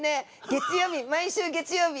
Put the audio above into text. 月曜日毎週月曜日。